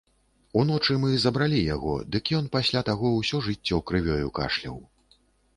Уночы мы забралі яго, дык ён пасля таго ўсё жыццё крывёю кашляў.